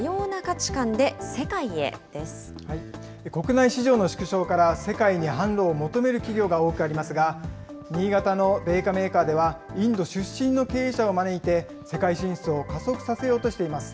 けさは、国内市場の縮小から、世界に販路を求める企業が多くありますが、新潟の米菓メーカーでは、インド出身の経営者を招いて、世界進出を加速させようとしています。